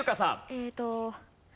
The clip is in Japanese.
えっと。